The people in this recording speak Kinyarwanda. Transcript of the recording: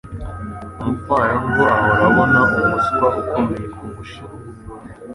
Umupfayongo ahora abona umuswa ukomeye kumushima.